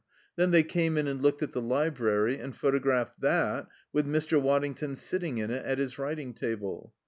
Then they came in and looked at the library and photographed that, with Mr. Waddington sitting in it at his writing table.